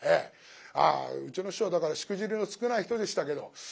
ああうちの師匠はだからしくじりの少ない人でしたけど